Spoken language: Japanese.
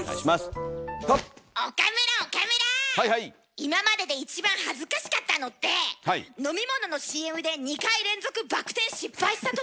今までで一番恥ずかしかったのって飲み物のＣＭで２回連続バク転失敗した時？